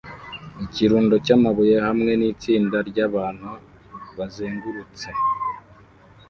Ikirundo cyamabuye hamwe nitsinda ryabantu bazengurutse